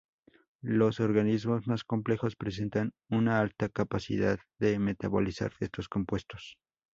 Los organismos más complejos presentan una alta capacidad de metabolizar estos compuestos.